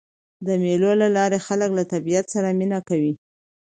د مېلو له لاري خلک له طبیعت سره مینه کوي.